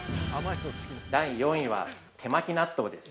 ◆第４位は、手巻き納豆です。